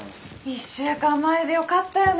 １週間前でよかったよね。